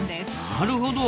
なるほど。